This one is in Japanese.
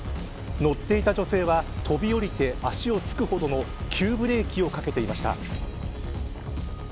乗っていた女性は飛び降りて足を付くほどの急ブレーキをかけていました。